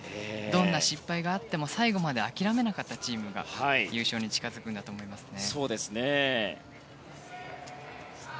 どんな失敗があっても最後まで諦めなかったチームが優勝に近づくんだと思いますね。